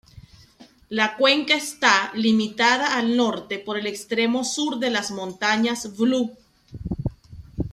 La cuenca está limitada al norte por el extremo sur de las montañas Blue.